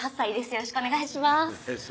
よろしくお願いします